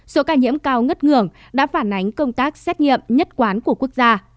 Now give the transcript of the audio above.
số ca nhiễm cao ngất ngường đã phản ánh công tác xét nghiệm nhất quán của quốc gia